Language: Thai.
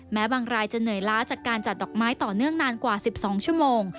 แม้บางรายจะเหนื่อยล้าจากการจัดดอกไม้ต่อเนื่องนานกว่า๑๒ชั่วโมง